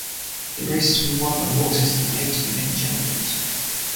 The race has been won by horses that later became champions.